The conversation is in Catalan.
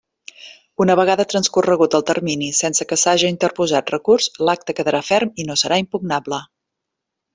Una vegada transcorregut el termini sense que s'haja interposat recurs, l'acte quedarà ferm i no serà impugnable.